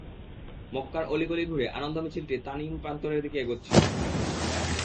মক্কার অলিগলি ঘুরে আনন্দ মিছিলটি তানঈম প্রান্তরের দিকে এগুচ্ছে।